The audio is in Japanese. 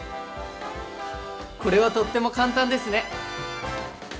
これはとっても簡単ですね！